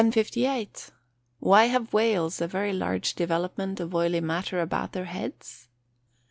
1058. _Why have whales a very large development of oily matter about their heads?